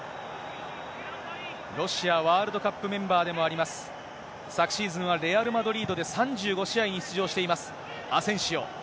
ロシアワールドカップメンバーでもあります、昨シーズンはレアル・マドリードで３５試合に出場しています、アセンシオ。